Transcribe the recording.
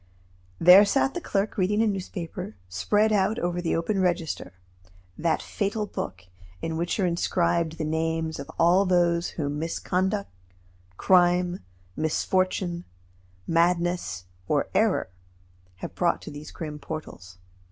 There sat the clerk reading a newspaper, spread out over the open register that fatal book in which are inscribed the names of all those whom misconduct, crime, misfortune, madness, or error have brought to these grim portals.